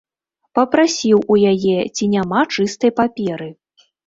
Папрасіў у яе, ці няма чыстай паперы.